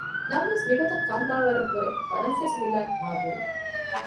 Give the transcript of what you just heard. ނަމަވެސް މިގޮތަށް ކަން ވާވަރަށްވުރެ ފަރަންސޭސިވިލާތް މާ ދުރު